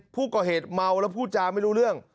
ผู้เกาะเหตุเมาแล้วผู้จ่าไม่รู้เรื่อง